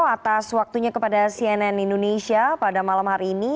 atas waktunya kepada cnn indonesia pada malam hari ini